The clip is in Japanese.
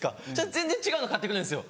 全然違うの買って来るんですよ。